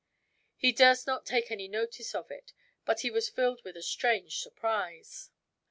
He durst not take any notice of it, but he was filled with a strange surprise.